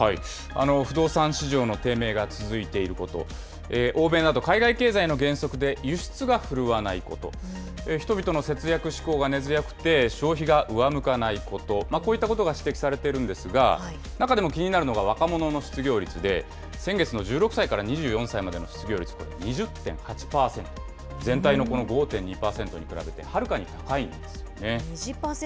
不動産市場の低迷が続いていること、欧米など海外経済の減速で輸出が振るわないこと、人々の節約志向が根強くて、消費が上向かないこと、こういったことが指摘されているんですが、中でも気になるのが若者の失業率で、先月の１６歳から２４歳までの失業率、２０．８％、全体のこの５．２％に比べてはるかに高いんですよね。